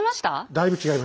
だいぶ違います。